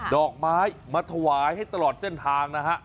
ดอกไม้มาถวายให้ตลอดเส้นทางนะฮะ